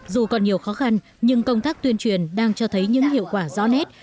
dù còn nhiều khó khăn nhưng công tác tuyên truyền đang cho thấy những hiệu quả rõ nét